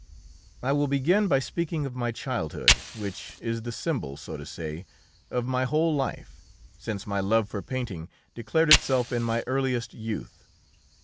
I will begin by speaking of my childhood, which is the symbol, so to say, of my whole life, since my love for painting declared itself in my earliest youth.